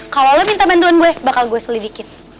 kalau lo minta bantuan gue bakal gue selidikin